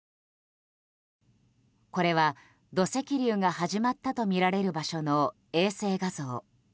これは土石流が始まったとみられる場所の衛星画像。